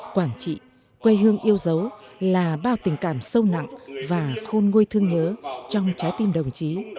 quảng trị quê hương yêu dấu là bao tình cảm sâu nặng và khôn nguôi thương nhớ trong trái tim đồng chí